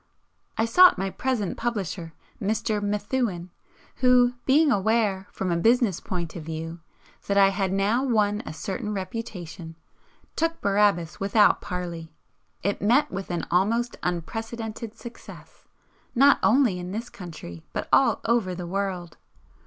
I sought my present publisher, Mr. Methuen, who, being aware, from a business point of view, that I had now won a certain reputation, took "Barabbas" without parley. It met with an almost unprecedented success, not only in this country but all over the world.